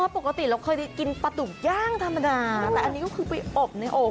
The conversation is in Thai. ปกติเราเคยกินปลาดุกย่างธรรมดาแต่อันนี้ก็คือไปอบในโอ่ง